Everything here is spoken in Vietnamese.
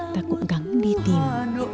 ta cũng gắng đi tìm